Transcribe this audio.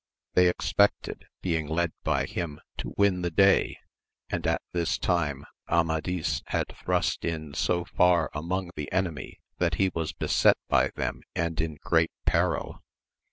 They expected, being led by him to win the day, and at this time Amadis had thrust in so far among the enemy that he wa3 beset by them and in great peril.